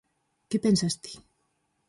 Que pensas ti?